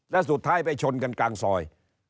แล้วสุดท้ายไปชนกันกลางซอย